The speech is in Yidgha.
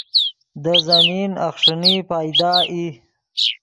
دے زمین اخݰینی پیدا ای